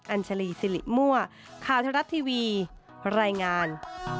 อัญชรีสิริมั่วค่าเทศรัทธิวีรายงาน